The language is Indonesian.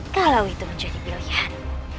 kalau itu menjadi pilihan